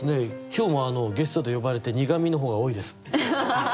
今日もゲストで呼ばれて苦みの方が多いです。